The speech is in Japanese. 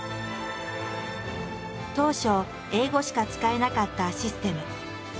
当初英語しか使えなかったシステム。